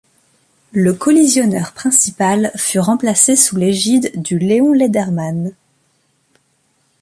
Le collisionneur principal fut remplacé sous l'égide du Leon Lederman.